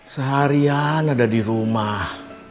seharian ada di rumah